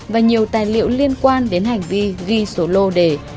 và nhiều tài liệu liên quan đến hành vi ghi số lô đề